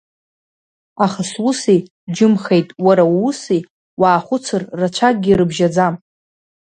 Аха суси, џьымхеит, уара ууси, уаахәыцыр, рацәакгьы рыбжьаӡам.